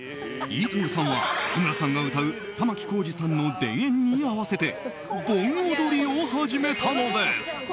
飯豊さんは日村さんが歌う玉置浩二さんの「田園」に合わせて盆踊りを始めたのです。